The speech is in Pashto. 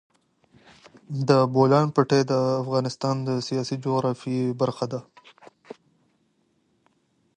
د بولان پټي د افغانستان د سیاسي جغرافیه برخه ده.